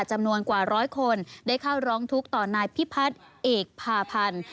จำนวนกว่าร้อยคนได้เข้าร้องทุกข์ต่อนายพิพัฒน์เอกพาพันธ์